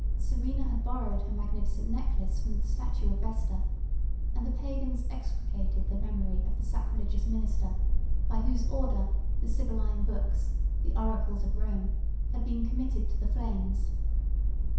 111 1111 Serena had borrowed her magnificent necklace from the statue of Vesta; 112 and the Pagans execrated the memory of the sacrilegious minister, by whose order the Sibylline books, the oracles of Rome, had been committed to the flames.